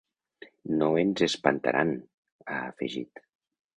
“No ens espantaran”, ha afegit.